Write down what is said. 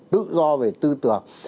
tự do về tư tưởng